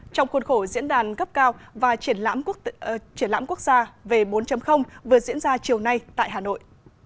trong khuôn khổ diễn đàn gấp cao và triển lãm quốc gia về bốn vừa diễn ra chiều nay tại hà nội